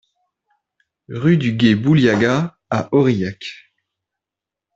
Rue du Gué Bouliaga à Aurillac